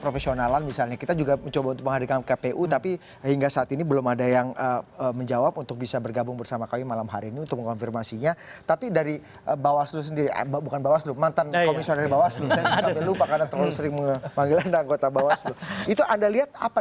oke soal pembahasan akses dan perjalanan saya ingin menulis